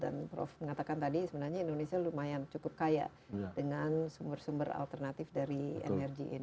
dan prof mengatakan tadi sebenarnya indonesia lumayan cukup kaya dengan sumber sumber alternatif dari energi ini